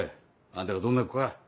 あんたがどんな子か。